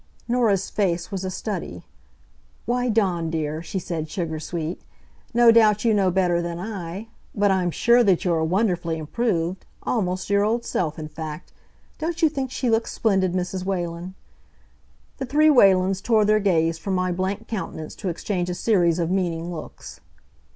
Norah's face was a study. "Why Dawn dear," she said, sugar sweet, "no doubt you know better than I. But I'm sure that you are wonderfully improved almost your old self, in fact. Don't you think she looks splendid, Mrs. Whalen?" The three Whalens tore their gaze from my blank countenance to exchange a series of meaning looks.